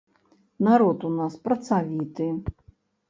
Народ у нас працавіты.